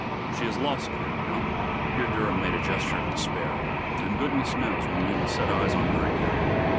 She is lost there now" here Durham made a gesture of despair "and goodness knows when we will set eyes on her again."